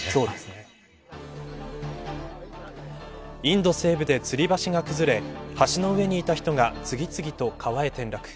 インド西部でつり橋が崩れ橋の上にいた人が次々と川へ転落。